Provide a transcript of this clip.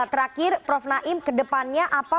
terakhir prof naim ke depannya apa